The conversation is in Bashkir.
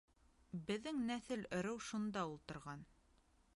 Беҙҙең нәҫел-ырыу шунда ултырған.